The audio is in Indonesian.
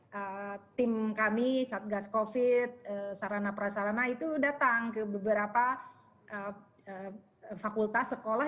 lalu tim kami saat gas covid sarana prasarana itu datang ke beberapa fakultas sekolah